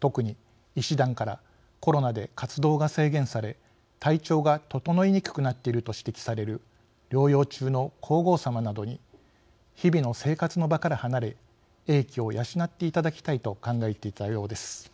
特に、医師団からコロナで活動が制限され体調が整いにくくなっていると指摘される療養中の皇后さまなどに日々の生活の場から離れ英気を養っていただきたいと考えていたようです。